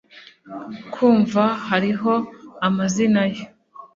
Ku mva hariho amazina ye